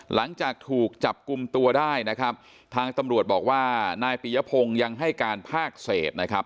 หลังจากถูกจับกลุ่มตัวได้นะครับทางตำรวจบอกว่านายปียพงศ์ยังให้การภาคเศษนะครับ